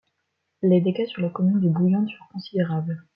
Les dégâts sur la commune de Bouillante furent considérables.